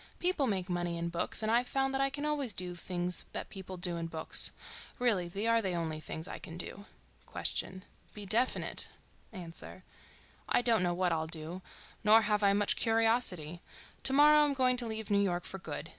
People make money in books and I've found that I can always do the things that people do in books. Really they are the only things I can do. Q.—Be definite. A.—I don't know what I'll do—nor have I much curiosity. To morrow I'm going to leave New York for good.